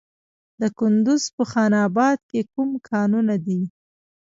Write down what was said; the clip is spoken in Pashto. د کندز په خان اباد کې کوم کانونه دي؟